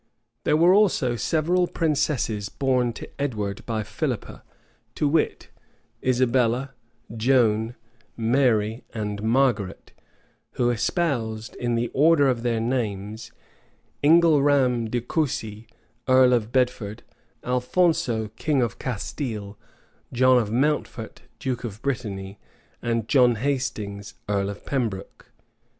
There were also several princesses born to Edward by Philippa; to wit, Isabella, Joan, Mary, and Margaret, who espoused, in the order of their names, Ingelram de Coucy, earl of Bedford, Alphonso, king of Castile, John of Mountfort, duke of Brittany, and John Hastings, earl of Pembroke.